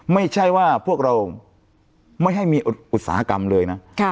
ไม่ใช่ว่าพวกเราไม่ให้มีอุตสาหกรรมเลยนะ